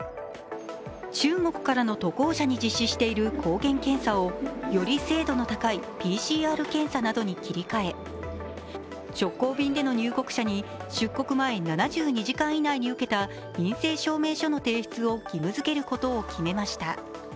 中国からの渡航者に実施している抗原検査をより精度の高いＰＣＲ検査などに切り替え直行便での入国者に出国前７２時間以内に受けた陰性証明書の提出を義務づけることを決めました。